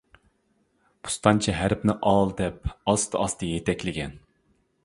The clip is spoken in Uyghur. پۇستانچى ھەرپنى ئال دەپ ئاستا-ئاستا يېتەكلىگەن.